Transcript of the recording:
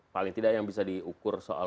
paling tidak yang bisa diukur soal